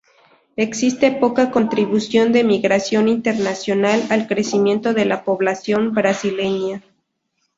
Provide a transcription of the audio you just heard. Existe poca contribución de la migración internacional al crecimiento de la población brasileña.